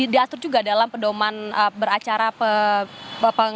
diatur juga dalam pedoman beracara pengaturan